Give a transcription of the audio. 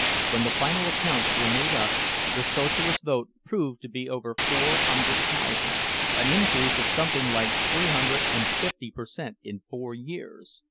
When the final accounts were made up, the Socialist vote proved to be over four hundred thousand—an increase of something like three hundred and fifty per cent in four years.